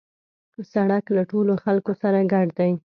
سړک له ټولو خلکو سره ګډ دی.